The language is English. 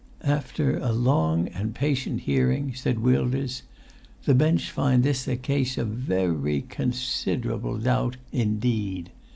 "After a long and patient hearing," said Wilders, "the bench find this a case of ve ry con sid er able doubt in deed.